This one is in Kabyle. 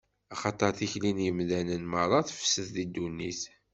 Axaṭer tikli n yemdanen meṛṛa tefsed di ddunit.